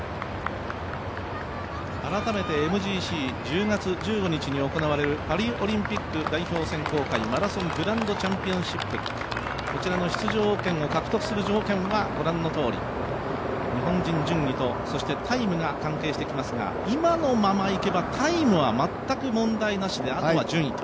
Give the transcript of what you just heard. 改めてＭＧＣ、１０月１５日に行われるパリオリンピック代表選考会、マラソングランドチャンピオンシップ、こちらの出場権を獲得する条件はご覧のとおり、日本人順位とそしてタイムが関係してきますが、今のままいけばタイムは全く問題なしであとは順位と。